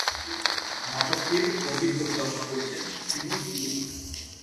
নাটকটির সঙ্গীত পরিচালনা করেছেন শিমুল ইউসুফ।